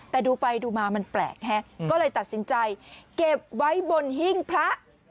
แต่ดูไปดูมามันแปลกก็เลยตัดสินใจเก็บไว้บนหิ้งพระ